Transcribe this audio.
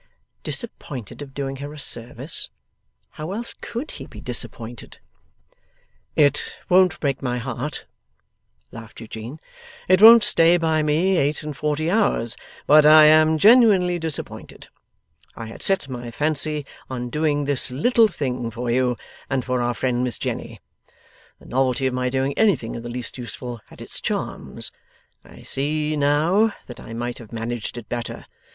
Disappointed of doing her a service. How else COULD he be disappointed? 'It won't break my heart,' laughed Eugene; 'it won't stay by me eight and forty hours; but I am genuinely disappointed. I had set my fancy on doing this little thing for you and for our friend Miss Jenny. The novelty of my doing anything in the least useful, had its charms. I see, now, that I might have managed it better.